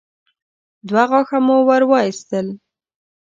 دوه غاښه مو ور وايستل.